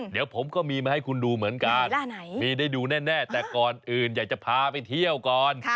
เดี๋ยวผมก็มีมาให้คุณดูเหมือนกันมีได้ดูแน่แต่ก่อนอื่นอยากจะพาไปเที่ยวก่อน